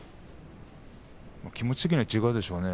気持ち的には違うでしょうね。